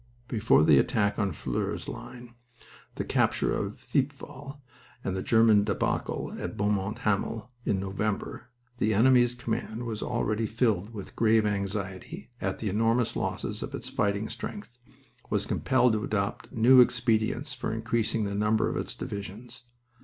Before the attack on the Flers line, the capture of Thiepval, and the German debacle at Beaumont Hamel, in November, the enemy's command was already filled with a grave anxiety at the enormous losses of its fighting strength; was compelled to adopt new expedients for increasing the number of its divisions.